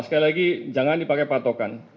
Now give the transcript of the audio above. sekali lagi jangan dipakai patokan